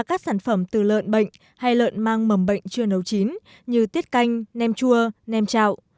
các sản phẩm từ lợn bệnh hay lợn mang mầm bệnh chưa nấu chín như tiết canh nem chua nem chạo